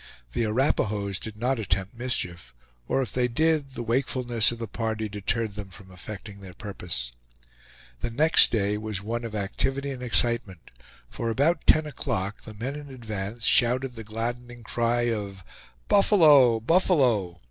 The Arapahoes did not attempt mischief, or if they did the wakefulness of the party deterred them from effecting their purpose. The next day was one of activity and excitement, for about ten o'clock the men in advance shouted the gladdening cry of "Buffalo, buffalo!"